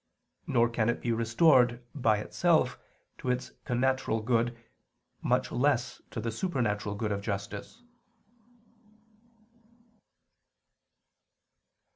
85); nor can it be restored, by itself, to its connatural good, much less to the supernatural good of justice.